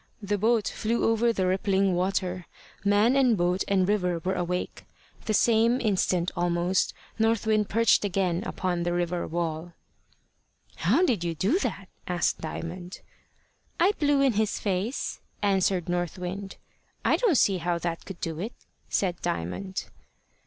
The boat flew over the rippling water. Man and boat and river were awake. The same instant almost, North Wind perched again upon the river wall. "How did you do that?" asked Diamond. "I blew in his face," answered North Wind. "I don't see how that could do it," said Diamond.